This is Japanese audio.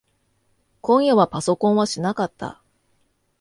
今夜はパソコンはしなかった。